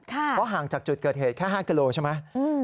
เพราะห่างจากจุดเกิดเหตุแค่๕กิโลใช่ไหม